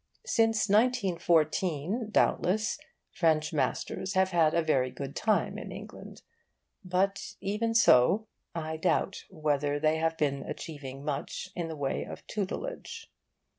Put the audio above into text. Since 1914, doubtless, French masters have had a very good time in England. But, even so, I doubt whether they have been achieving much in the way of tutelage.